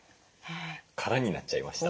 空になっちゃいました。